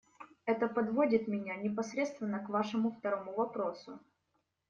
Это подводит меня непосредственно к Вашему второму вопросу.